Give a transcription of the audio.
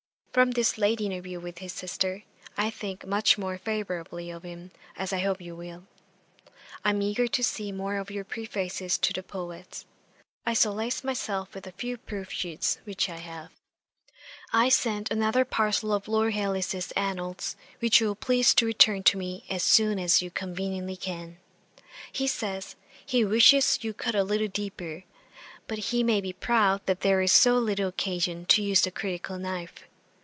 From this late interview with his sister, I think much more favourably of him, as I hope you will. I am eager to see more of your Prefaces to the Poets; I solace myself with the few proof sheets which I have. 'I send another parcel of Lord Hailes's Annals, which you will please to return to me as soon as you conveniently can. He says, "he wishes you would cut a little deeper;" but he may be proud that there is so little occasion to use the critical knife.